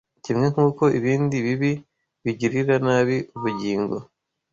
kimwe nk’uko ibindi bibi bigirira nabi ubugingo